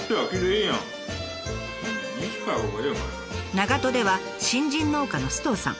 長門では新人農家の首藤さん。